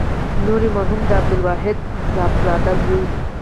نوري مرحوم د عبدالواحد صاحبزاده زوی.